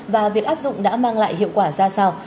và việc áp dụng đã mang lại hiệu quả ra sao